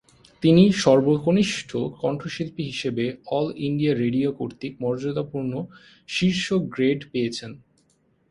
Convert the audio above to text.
তিনি সর্বকনিষ্ঠ কণ্ঠশিল্পী হিসেবে অল ইন্ডিয়া রেডিও কর্তৃক মর্যাদাপূর্ণ ‘শীর্ষ গ্রেড’ পেয়েছেন।